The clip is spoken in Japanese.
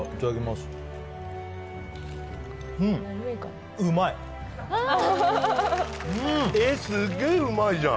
すっげうまいじゃん！